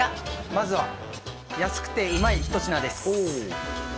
まずは安くてうまい一品です